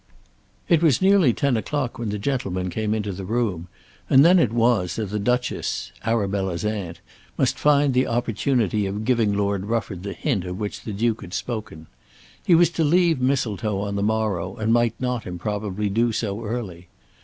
It was nearly ten o'clock when the gentlemen came into the room and then it was that the Duchess, Arabella's aunt, must find the opportunity of giving Lord Rufford the hint of which the Duke had spoken. He was to leave Mistletoe on the morrow and might not improbably do so early.